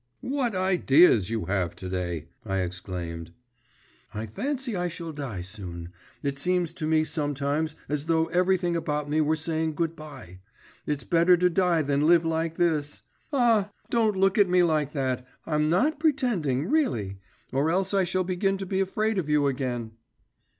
'What ideas you have to day!' I exclaimed. 'I fancy I shall die soon; it seems to me sometimes as though everything about me were saying good bye. It's better to die than live like this.… Ah! don't look at me like that; I'm not pretending, really. Or else I shall begin to be afraid of you again.